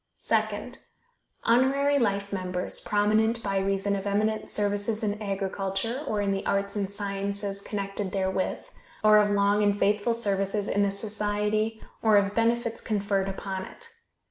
Second Honorary life members, prominent by reason of eminent services in agriculture, or in the arts and sciences connected therewith, or of long and faithful services in the society, or of benefits conferred upon it.